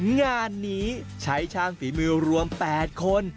งานนี้ใช้ช่างฝีมือรวม๘คน